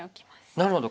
なるほど。